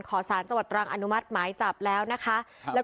ขอศาลจวดตรางอนุมาตรห์หมายจับแล้วนะคะ